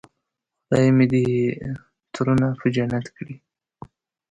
خدای مې دې ترونه په جنت کړي.